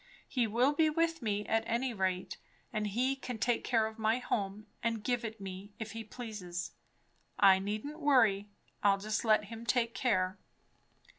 He will be with me, at any rate; and he can take care of my home and give it me, if he pleases. I needn't worry. I'll just let him take care.